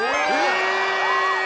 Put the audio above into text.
え！